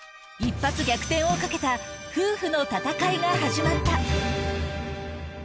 一発逆転をかけた夫婦の戦いが始まった。